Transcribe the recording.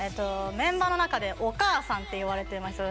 メンバーの中でお母さんって呼ばれてます。